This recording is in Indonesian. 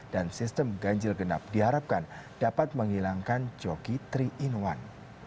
dan sistem ganjil genap diharapkan dapat menghilangkan jogi tiga in satu